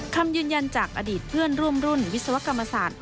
คำยืนยันจากอดีตเพื่อนร่วมรุ่นวิศวกรรมศาสตร์